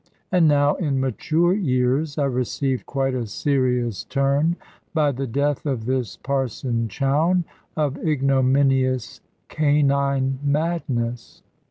And now in mature years, I received quite a serious turn by the death of this Parson Chowne of ignominious canine madness.